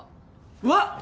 うわっ！